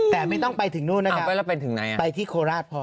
แต่ไม่ต้องไปถึงนู่นนะครับไปที่โคราชพอ